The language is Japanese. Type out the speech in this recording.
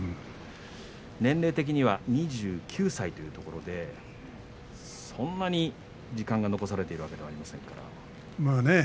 年齢的には２９歳というところでそんなに時間が残されているわけではありません。